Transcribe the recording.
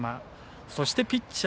そしてピッチャー